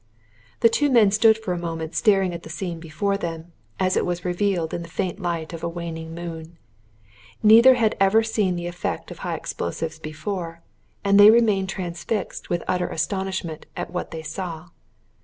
The two men stood for a moment staring at the scene before them, as it was revealed in the faint light of a waning moon. Neither had ever seen the effect of high explosives before, and they remained transfixed with utter astonishment at what they saw.